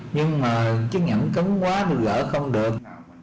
nhưng mà chiếc nhẫn cứng quá tôi gỡ không được